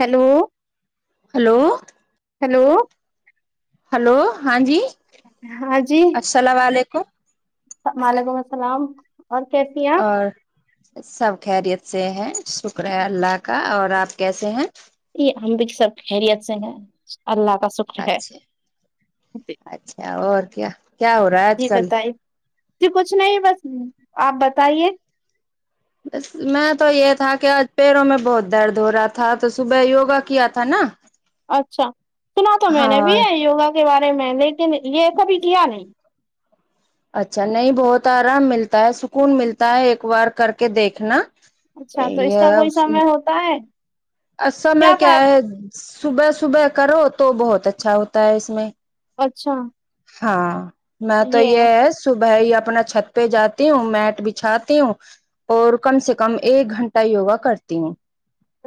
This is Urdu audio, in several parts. ہیلو ہلو ہیلو ہلو ہاں جی ہاں جی السلام و علیکم وعلیکم السلام اور کیسی ہو اور سب خیریت سے ہے شکر ہے اللہ کا اور آپ کیسے ہیں جی ہم سب خریت سے ہیں اللہ کا شکر ہے اچھے اچھا اور کیا کیا ہو رہا ہے آج جی کل بتائیے جی کچھ نہیں بس آپ بتائیے بس میں تو یہ تھا کہ آج پیروں میں بہت درد ہو رہا تھا تو صبح یوگا کیا تھا نا اچھا سنا تو میں نے ہاں بھی ہے یوگا کے بارے میں لیکن یہ کبھی کیا نہیں اچھا نہیں بہت آرام ملتا ہے سکون ملتا ہے ایک وار کر کے دیکھنا اچھا تو اس کا کوئی سمے ہوتا ہے کیا سمےکیا ہے فائدہ صبح صبح کرو تو بہت اچھا ہوتا ہے اس میں اچھا ہاں میں تو یہ ہے صبح ہی اپنا چھت پہ جاتی ہوں میٹ بچھاتی ہوں اور کم سے کم ایک گھنٹہ یوگا کرتی ہوں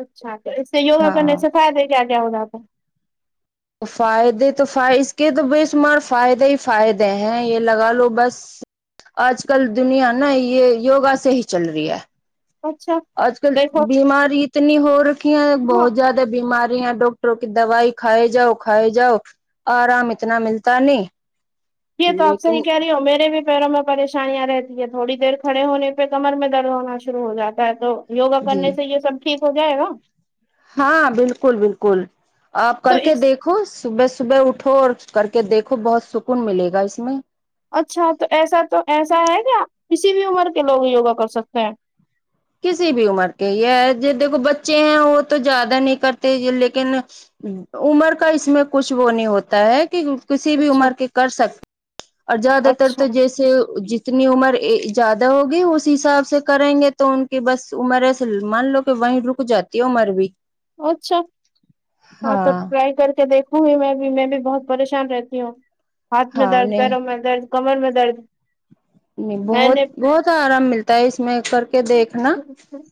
اچھا تو اس سے یوگا کرنے ہاں سے فائدے کیا کیا ہوجاتے ہیں تو فائدے تو فہ اس کے تو بے شمار فائدے ہی فائدے ہیں یہ لگا لو بس آج کل دنیا نا یہ یوگا سے ہی چل رہی ہے ہے اچھا آج کل دیکھو بیماری اتنی ہو رکھی ہیں ہاں بہت زیادہ بیماری ہیں ڈ اکٹر کی دوائی کھائے جاؤ کھائے جاؤ آرام اتنا ملتا نہیں یہ تو آپ لیکن صحیح کہہ رہی میرے بھی پیروں میں پریشانیاں رہتی ہے تھوڑی دیر کھڑے ہونے پہ کمر میں درد ہونا شروع ہو جاتا ہے تو یوگا جی کرنے سے یہ سب ٹھیک ہو جائے گا ہاں بالکل بالکل آپ تو کر کے اس دیکھو صبح صبح اٹھو اور کر کے دیکھو بہت سکون ملے گا اس میں اچھا تو ایسا تو ایسا ہے کیا کسی بھی عمر کے لوگ یوگا کر سکتے ہیں کسی بھی عمر کے یہ دیکھو بچے ہیں وہ تو زیادہ نہیں کرتے لیکن عمر کا اس میں کچھ وہ نہیں ہوتا ہے کہ کسی بھی اچھا عمر کے کر سکتے اور زیادہ تر اچھا تو جیسے ج تنی عمر زیادہ ہوگی اس حساب سے کریں گے تو ان کی بس عمر ایسے مان لو کہ وہیں رک جاتی ہے عمر بھی اچھا ہاں تو ٹرائی کر کے دیکھو ہ بھی میں بھی میں بھی بہت پریشان رہتی ہوں ہاتھ میں ہاں درد نہیں پیروں میں درد کمر میں درد نہیں میں بہت نے بہت آرام ملتا ہے اس میں کر کے دیکھنا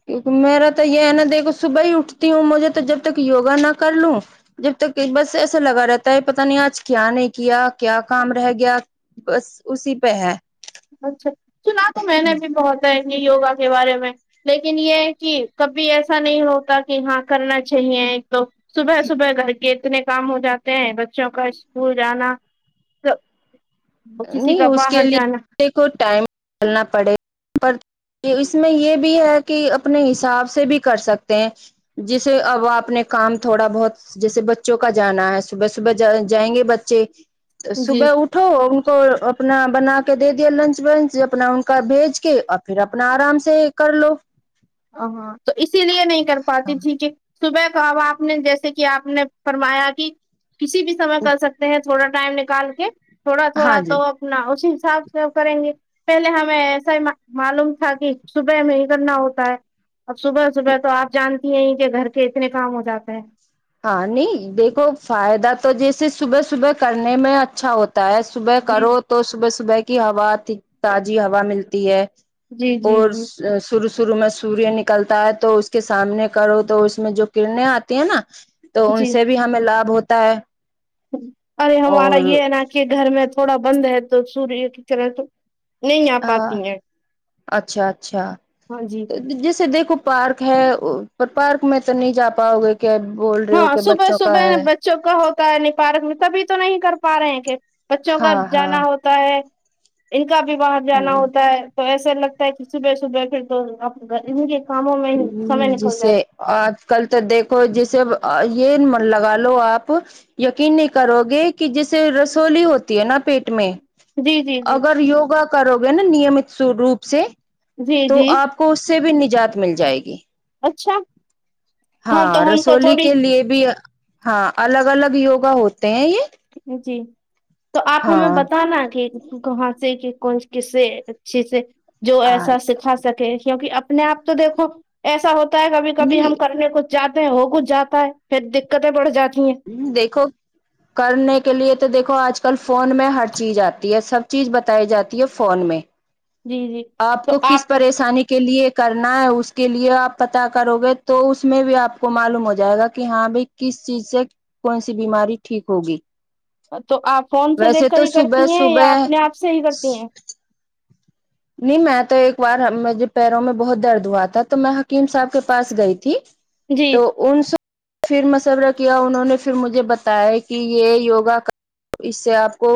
کیونکہ میرا تو یہ ہے نا دیکھو صبح ہی اٹھتی ہوں مجھے تو جب تک یوگا نہ کر لوں جب تک بس ایسا لگا رہتا ہے پتا نہیں آج کیا نہیں کیا کیا کام رہ گیا بس اسی پہ ہے اچھا سنا تو میں نے بھی بہت ہے یہ یوگا کے بارے میں لیکن یہ ہے کہ کبھی ایسا نہیں ہوتا کہ ہاں کرنا چاہیے ایک تو صبح صبح گھر کے اتنے کام ہو جاتے ہیں بچوں کا اسکول جانا تو نہیں اس کے لیے [unintelligible] پر یہ اس میں یہ بھی ہے کہ اپنے حساب سے بھی کر سکتے ہیں جیسے اب آپ نے کام تھوڑا بہت جیسے بچوں کا جانا ہے صبح صبح جائیں گے بچے تو جی صبح اٹھو کو اپنا بنا کے دے دیا لنچ ونچ اپنا انکا بھیج کے اور پھر اپنا آرام سے کرلو ہ ہاں تو اسی لیے نہیں کر پاتی تھی کہ صبح کا اب آپ نے جیسے کہ آپ نے فرمایا کہ کسی بھی سمے کر سکتے ہیں تھوڑا ٹائم نکال کے تھوڑا ہاں تھوڑا جی نا اسی حساب سے ہم کریں گے پہلے ہمیں ایسا ہی مع معلوم تھا کہ صبح میں ہی کرنا ہوتا ہے اب صبح صبح تو آپ جانتی ہیں کہ گھر کے اتنے کام ہو جاتے ہیں ہاں نہیں دیکھو فائدہ تو جیسے صبح صبح کرنے میں اچھا ہوتا تا ہے صبح جی کرو تو صبح صبح کی ہوا ت تازی ہوا ملتی ہے جی جی اور جی شروع شروع میں سوریہ نکلتا ہے تو اس کے سامنے کرو تو اس میں جو کررنیں آتی ہیں نا تو ان جی سے بھی ہمیں لابھ ہوتا ہے ارے ہمارا اور یہ ہے نا کہ گھر میں تھوڑا بند ہے تو سوریے کی کہ رہے تو نہیں آ ہاں پاتی ہیں اچھا اچھا ہاں جی تو جیسے دیکھو پارک ہے پر پارک میں تو نہیں جا پاؤ گے کہ بول رہے ہو ہاں کہ صبح بچوں کا صبح ہے بچوں کا ہوتا ہے نی پارک میں تبھی تو نہیں کر پا رہے ہیں کہ بچوں کو ہاں جانا ہاں ہوتا ہے ان کا بھی باہر جانا ہوتا ہے تو ایسا لگتا ہے کہ صبح صبح پھر توپ ان کے کاموں میں ہی سمے نکل جاتا جسے آج کل تو دیکھو جیسے یہ من لگا لو آپ یقین نہیں کرو گے کہ جیسے رسولی ہوتی ہے نا پیٹ میں جی جی جی اگر یوگا کرو گے نا نیمت روپ سے جی تو جی آپ کو اس سے بھی نجات مل جائے گی اچھا ہاں تو ہم کو رسولی تھوڑی کے لیے بھی ہاں الگ الگ یوگا ہوتے ہیں یہ جی تو آپ ہمیں ہاں بتانا کہ کہاں سے کہ کون کسے اچھے سے جو ایسا سکھا سکے کیوںکہ اب نے آپ تو دیکھو ایسا ہوتا ہے کبھی کبھی ہم نہیں کرنے کو جاتے ہیں ہو کچھ جاتا ہے پھر دقتیں بڑ جاتی ہیں ہمم دیکھو کرنے کے لیے تو دیکو آج کل فون میں ہر چیز آتی ہے سب چیز بتائی جاتی ہے فون میں جی جی آپ کو کس پریشانی کے لیے کرنا ہے اس کے لیے آپ پتا کرو گے تو اس میں بھی آپ کو معلوم ہو جائے گا کہ ہاں بھائی کس چیز سے کون سی بیماری ٹھیک ہوگی تو آپ فون سے ویسے دیکھ کر تو ہی کرتی صبح ہیں یا صبح اپنے آپ سے ہی کرتی ہیں نہیں میں تو ایک بار میرھے پیروں میں بہت درد ہوا تھا تو میں حکیم صاحب کے پاس گئی تھی جی تو ان سے پھر مشورہ کیا انہوں نے پھر مجھے بتایا کہ یہ یوگا کا اس سے آپ کو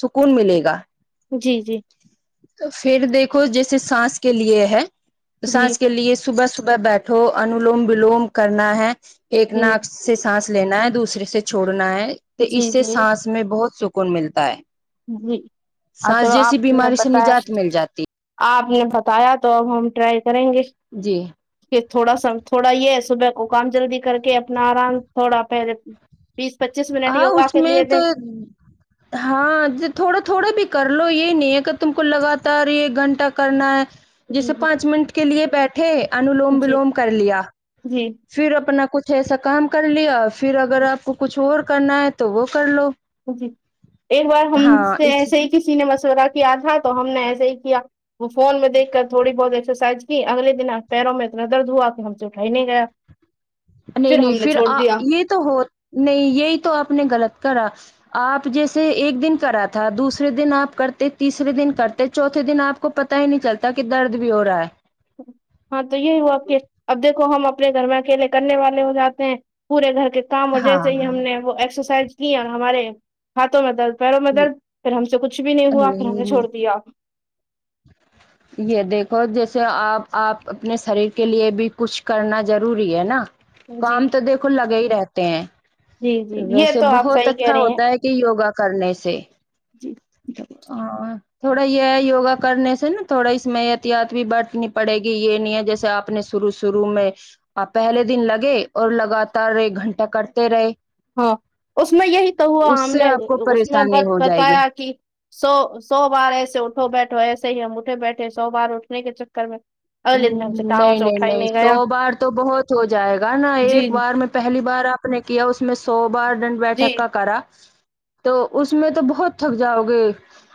سکون ملے گا جی جی تو پھر دیکھو جیسے سانس کے لیے ہے تو جی سانس کے لیے صبح صبح بیٹھ ہو انولوم ولوم کرنا ہے ایک جی ناک سے سانس لینا ہے دوسرے سے چھوڑنا ہے تو اس جی سے جی سانس میں بہت سکون ملتا ہے جی آ سانس چلو جیسی آپ نے بیماری سے بتایا نجات مل جاتی ہے آپ نے بتایا تو اب ہم ٹرائی کریں گے جی کہ تھوڑا سم تھوڑا یہ صبح کو کام جلدی کر کے اپنا آرام تھوڑا پہلے بیس پچیس منٹ ہاں یوگا اس کے میں لیے دے تو ہاں تھوڑا تھوڑا بھی کر لو یہ نہیں ہے کہ تم کو لگاتار ایک گھنٹہ کرنا ہے جیسے جی پانچ منٹ کے لیے بیٹھے انولوم جی ولوم کر لیا جی پھر اپنا کچھ ایسا کام کر لیا پھر جی اگر آپ کو کچھ اور کرنا ہے تو وہ کر لو جی ایک بار ہم ہاں سے اس ایسے ہی کسی نے مشورہ کیا تھا تو ہم نے ایسے ہی کیا وہ فون دیکھ کر تھوڑی بہت ایکسرسائز کہ اگے دن آپ پیروں میں اتنا درد ہوا کہ ہم سے اٹھائی نہیں گیا نہیں نہیں ہم نے پھر چھوڑ آ دیا یہ تو ہو نہیں یہی تو آپ نے غلط کرا آپ جیسے ایک دن کرا تھا دوسرے دن آپ کرتے تیسرے دن کرتے چوتھے دن آپ کو پتا ہی نہیں چلتا کہ درد بھی ہو رہا ہے ہاں تو یہی ہوا ا کہ اب دیکھو ہم اپنے گھر میں اکیلے کرنے والے ہو جاتے ہیں پورے گھر کے کام اور ہاں جیسے ہی ہم نے وہ ایکسرسائز کی اور ہمارے ہاں تو میں درد پیرو میں درد پھر ہم سے کچھ بھی نہیں ہوا پھر ہم نے ہاں چھوڑ دیا یہ دیکھو جیسے آپ آپ اپنے شریر کے لیے بھی کچھ کرنا ضروری ہے نا جی کام تو دیکھو لگے ہی رہتے ہیں جی جی یہ ویسے تو آپ بہت صحیح کہہ اچھا رہے ہیں ہوتا ہے کہ یوگا کرنے سے جی ہاں تھوڑا یہ ہے یوگا کرنے سے نا تھوڑا اس میں احتیاط بھی برتنی پڑے گی یہ نہیں ہے جیسے آپ اپنے شروع شرو میں آ پہلے دن لگے اور لگاتار ایک گھنٹہ کرتے رہے ہاں اس میں یہی تو ہوا اس ہم سے نے آپ کو اس میں پریشانی ہو جائے گی بتایا کہ سو سو بار ایسے اٹھو بیٹھو ایسے ہی ہم اٹھے بیٹھے سو بار اٹھنے کے چکر میں اگلے دن ہم سے ہمم کہاں نہیں سے نہیں اٹھا ہی نہیں سو گیا بار تو بہت ہو جائے گا نا جی ایک بار میں پہلی بار آپ نے کیا اس میں سو بار دنڈ جی بیٹھک کا کرا تو اس میں تو بہت تھک جاؤ گے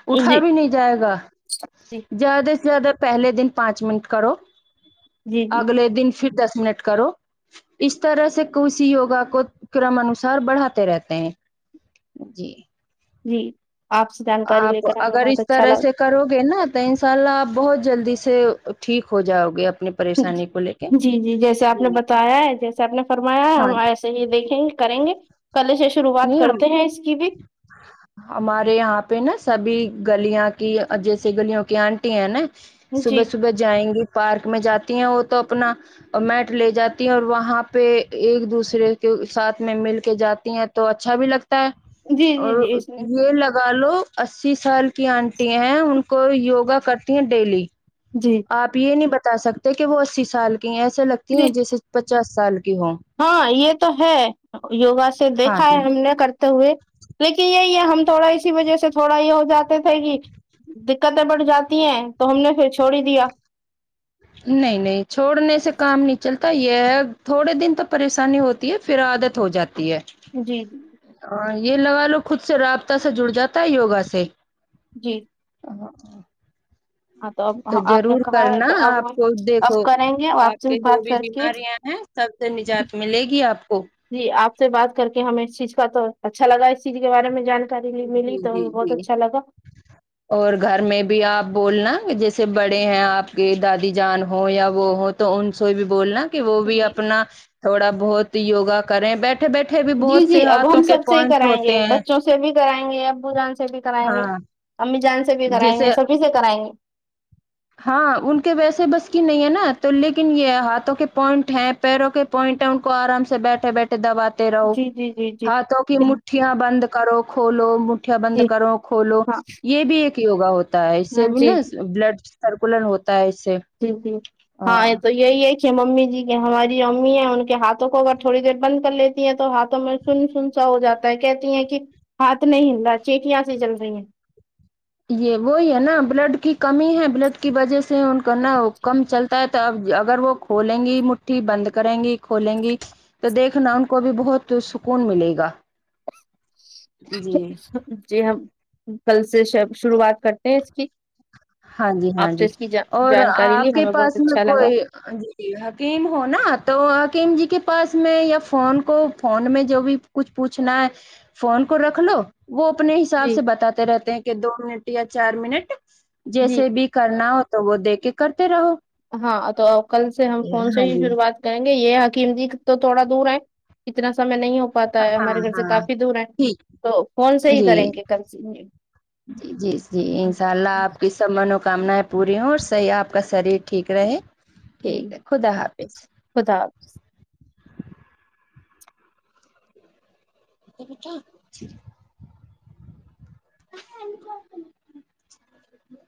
جی اٹھا جی بھی نہیں جائے گا جی زیادہ سے زیادہ پہلے دن پانچ منٹ کرو جی جی اگلے دن پھر دس منٹ کرو اس طرح سے کسی یوگا کو کرمانوسار بڑھاتے رہتے ہیں جی جی آپ سے جانکاری لے آپ کر ہمیں اگر بہت اس اچھا طرح لگ سے کرو گے نا تو انشاء اللہ آپ بہت جلدی سے ٹھیک ہو جاؤ گے اپنے جی جی جیسے آپ نے بتایا ہے جیسے آپ نے فرمایا ہے ہاں ہم ایس یہ دیکھیں گے کریں گے کل سے شروعات کرتے ہیں اس کی بھی ہاں ہمارے یہاں پہ نا سبھی گلیاں کی جیسیے گلیوں کی آنٹی ہیں نا صبح جی صبح جائیں گی پارک میں جاتی ہیں وہ تو اپنا میٹ لے جاتی ہیں اور وہاں پہ ایک دوسرے کے ساتھ میں مل کے جاتی ہیں تو اچھا بھی لگتا ہے جی اور جی جی اس میں یہ لگا لو اسی سال کی آنٹی ہیں ان کو یوگا کرتی ہیں ڈیلی جی آپ یہ نہیں بتا سکتے کہ وہ اسی سال کی ہیں ایسے لگتی جی ہیں جیسے پچاس سال کی ہوں ہاں یہ تو ہے یوگا سے ہاں دیکھا جی ہے ہم نے کر ہوئے لیکن یہی ہے ہم تھوڑا اسی وجہ سے تھوڑا یہ ہو جاتے تھے کی دکتیں بڑھ جاتی ہیں تو ہم نے پھر چھوڑ ہی دیا نہیں نہیں چھوڑنے سے کام نہیں چلتا یہ ہے تھوڑے دن تو پریشانی ہوتی ہے پھر عادت ہو جاتی تی ہے جی جی یہ لگا لو خود سے رابطہ سے جڑ جاتا ہے یوگا سے جی ہاں ہاں ہاں تو اب آپ نے ضرور کہا ہے کرنا تو اب آپ ہم کو دیکھو اب کریں گے اور آپ سے کے جو بات بھی کر کے بیماریاں ہیں سب سے نجات ملے گی آپ کو جی آپ سے بات کر کے ہمیں اس چیز کا تو اچھا لگا اس چیز کے بارے میں جان کاری ملی جی تو جی بہت جی اچھا لگا اور گھر میں بھی آپ بولنا کہ جیسے بڑے ہیں آپ کے دادی جان ہو یا وہ ہو تو ان سے بھی بولنا کہ وہ بھی جی اپنا تھوڑا بہت یوگا کریں بیٹھے بیٹھے بھی جی بہت جی سے اب ہم ہاتھوں کے سب سے ہی پوائنٹ کرائیں گے ہوتے ہیں بچوں سے سے بھی کرائیں گے ابو جان سے بھی کرائیں گے ہاں امی جان سے بھی کرائیں جیسے گے سبھی سے کرائیں گے ہاں ان کے ویسے بس کی نہیں ہے نا تو لیکن یہ ہاتھوں کے پوائنٹ ہیں پیروں کے پوائنٹیں ان کو آرام سے بیٹھے بیٹھے دباتے رہو جی جی جی جی ہاتھوں کی مٹھیاں بند کرو کھولو مٹھیاں بند جی کرو کھولو ہاں یہ بھی ایک یوگا ہوتا ہے اس سے ہاں بھی جی نا بلڈ سرکولٹ ہوتا ہے اس سے جی جی ہاں یہ تو ہی یہی ہے کہ ممی جی ہماری امی ہیں ان کے ہاتھوں کو اگر تھوڑی دیر بند کر لیتی ہیں تو ہاتھوں میں سن سن سا ہو جاتا ہے کہتی ہیں کہ ہاتھ نہیں ہل رہا چیٹیاں سے جل رہی ہیں یہ وہی ہے نا بلڈ کی کمی ہے بلڈ کی وجہ سے ان کو نا وہ کم چلتا ہے تو اب اگر وہ کھولیں گی مٹھی بند کریں گی کھولیں گی تو دیکھنا ان کو بھی بہت سکون ملے گا جی جی ہم کل سے شروعات کرتے ہیں اس کی ہاں جی ہاں آپ سے جی اس کی اور جانکاری آپ لی کے ہمیں بہت پاس میں اچھا لگا کوئی جی حکیم ہو نا تو حکیم جی کے پاس میں یا فون کو فون میں جو بھی کچھ پوچھنا ہے فون کو رکھ لو وہ اپنے حساب جی سے بتاتے رہتے ہیں کہ دو منٹ یا چار منٹ جی جیسے بھی کرنا ہو تو وہ دے کے کرتے رہو ہاں تو کل سے ہم فون سے ہاں ہی جی شروعات کہیں گے یہ حکیم جی تو تھوڑا دور ہے اتنا سمے نہیں ہو پتا ہے ہاں ہمارے گھر سے ہاں کافی دور ہے ٹھیک تو فون سے ہی جی کریں گے کل سے جی جی جی انشاء اللہ آپ کس تمناؤ کامنائےپوری ہو اور صحیح اپ کا شریر ٹھیک رہے ٹھیک جی ہے خدا حافظ خدا حافظ پھا [unintelligible]